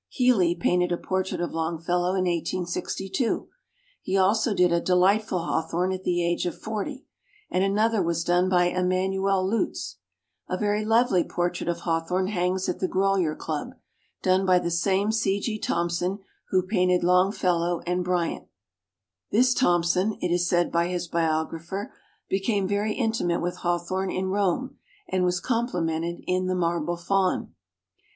Healy painted a portrait of Longfellow in 1862 ; he also did a de lightful Hawthorne at the age of forty, and another was done by Emanuel Leutze. A very lovely portrait of Hawthorne hangs at the Grolier Club, done by the same C. G. Thompson who painted Longfellow and Bryant. This Thompson, it is said by his biographer, became very intimate with Hawthorne in Rome and was complimented in "The Marble Faun".